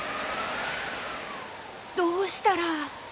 どうしたら。